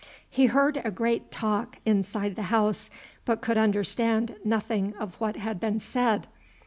He heard a great talk inside the house, but could understand nothing of what had been said.